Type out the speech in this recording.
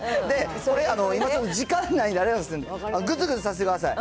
今ちょっと時間がないんであれなんですけど、ぐつぐつさせてください。